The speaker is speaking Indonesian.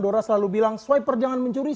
dora selalu bilang swiper jangan mencuri